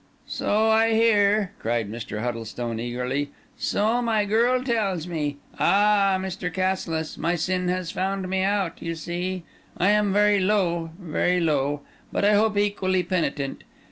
"So I hear," cried Mr. Huddlestone eagerly "so my girl tells me. Ah, Mr. Cassilis, my sin has found me out, you see! I am very low, very low; but I hope equally penitent.